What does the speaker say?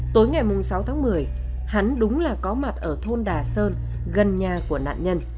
tối ngày sáu tháng một mươi hắn đúng là có mặt ở thôn đà sơn gần nhà của nạn nhân